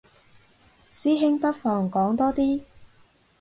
師兄不妨講多啲